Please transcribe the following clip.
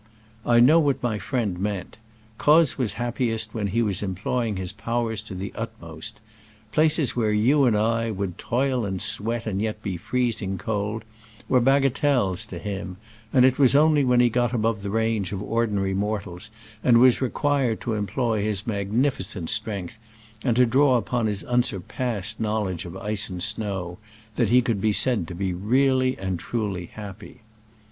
I know what my friend meant. Croz was happiest when he was employing his powers to the utmost. Places where you and I would "toil and sweat, and yet be freezing cold," were bagatelles to him, and it was only when he got above the range of ordinary mortals, and was required to employ his mag nificent strength and to draw upon his unsurpassed knowledge of ice and snow, that he could be said to be really and truly happy.